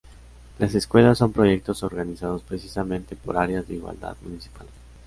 Las escuelas son proyectos organizados precisamente por áreas de igualdad municipales.